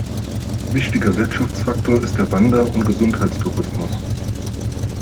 Wichtiger Wirtschaftsfaktor ist der Wander- und Gesundheitstourismus.